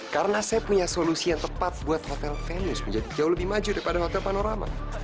karena saya punya solusi yang tepat buat hotel venus menjadi jauh lebih maju daripada hotel panorama